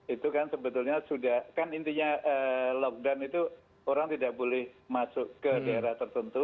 itu kan sebetulnya sudah kan intinya lockdown itu orang tidak boleh masuk ke daerah tertentu